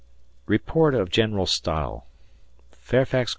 [Report of General Stahel] Fairfax C.